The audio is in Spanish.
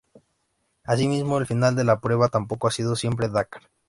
Asimismo, el final de la prueba tampoco ha sido siempre Dakar.